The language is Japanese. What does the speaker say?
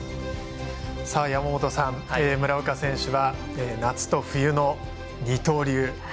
山本さん、村岡選手は夏と冬の二刀流。